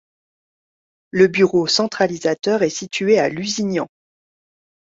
Le bureau centralisateur est situé à Lusignan.